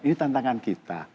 ini tantangan kita